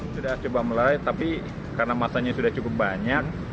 sudah coba mulai tapi karena masanya sudah cukup banyak